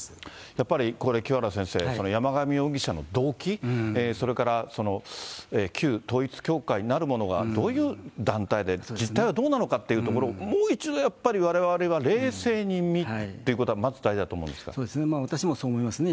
やっぱりこれ、清原先生、山上容疑者の動機、それから旧統一教会なるものがどういう団体で、実態はどうなのかというところを、もう一度やっぱりわれわれは冷静に見るというこそうですね、私もそう思いますね。